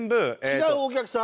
違うお客さん？